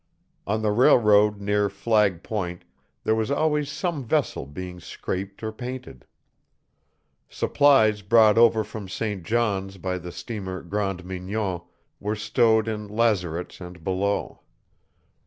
On the railroad near Flag Point there was always some vessel being scraped or painted. Supplies brought over from St. John's by the steamer Grande Mignon were stowed in lazarets and below.